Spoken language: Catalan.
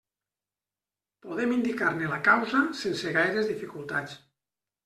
Podem indicar-ne la causa sense gaires dificultats.